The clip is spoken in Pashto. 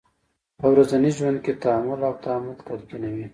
په ورځني ژوند کې تحمل او تامل تلقینوي.